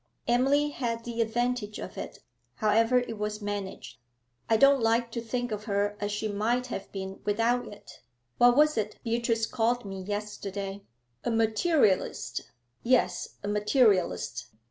Emily had the advantage of it, however it was managed. I don't like to think of her as she might have been without it. What was it Beatrice called me yesterday? A materialist; yes, a materialist.